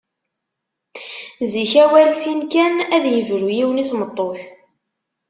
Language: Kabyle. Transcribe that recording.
Zik, awal sin kan ad yebru yiwen i tmeṭṭut.